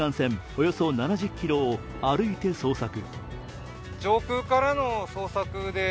およそ７０ｋｍを歩いて捜索。